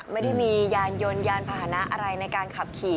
ไม่ได้มียานยนต์ยานพาหนะอะไรในการขับขี่